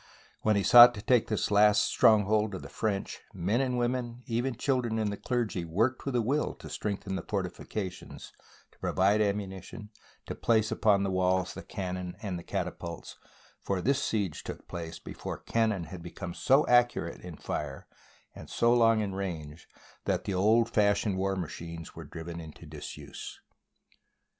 When he sought to take this last stronghold of the French, men and women, even children and the clergy, worked with a will to strengthen the fortifications, to provide ammuni tion, to place upon the walls the cannon and the catapults, for this siege took place before cannon had become so accurate in fire and so long in range that the old fashioned war machines were driven into disuse.